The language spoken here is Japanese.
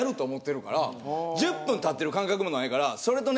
１０分たってる感覚もないから。